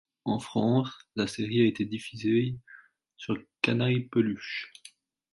En France, la série a été diffusée sur Canaille Peluche.